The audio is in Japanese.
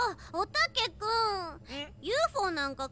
おたけくん。